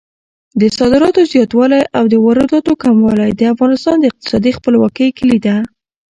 د صادراتو زیاتوالی او د وارداتو کموالی د افغانستان د اقتصادي خپلواکۍ کیلي ده.